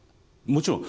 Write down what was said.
もちろん。